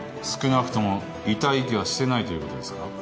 少なくとも遺体遺棄はしてないということですか。